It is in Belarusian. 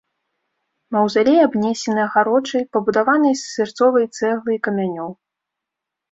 Маўзалей абнесены агароджай, пабудаванай з сырцовай цэглы і камянёў.